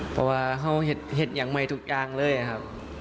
เพราะว่าเขาเห็นอย่างใหม่ทุกอย่างเลยครับ